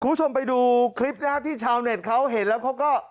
คุณผู้ชมไปดูคลิปนะฮะที่ชาวเน็ตเขาเห็นแล้วเขาก็